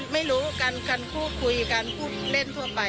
ไม่รู้กันพูดคุยกันพูดเล่นทั่วไป